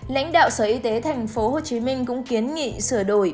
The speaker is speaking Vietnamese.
lãnh đạo sở y tế tp hcm cũng kiến nghị sửa đổi